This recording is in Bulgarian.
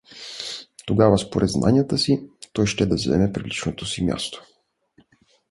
Тогава, според знанията си, той ще да заеме приличното си място.